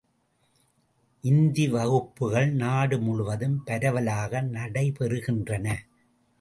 இந்தி வகுப்புகள் நாடு முழுவதும் பரவலாக நடைபெறுகின்றன.